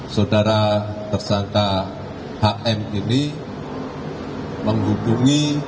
saudara tersangka hm ini menghubungi